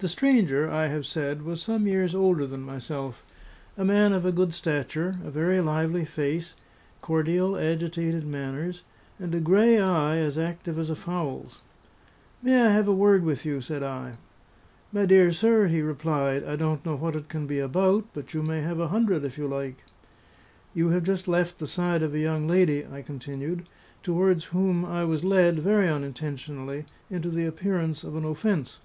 The stranger, I have said, was some years older than myself: a man of a good stature, a very lively face, cordial, agitated manners, and a gray eye as active as a fowl's. "May I have a word with you?" said I. "My dear sir," he replied, "I don't know what it can be about, but you may have a hundred if you like." "You have just left the side of a young lady," I continued, "towards whom I was led (very unintentionally) into the appearance of an offence.